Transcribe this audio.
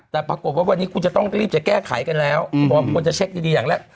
แต่ปรากฏว่าวันนี้คุณจะต้องรีบจะแก้ไขกันแล้วบอกว่าควรจะเช็คดีอย่างแรก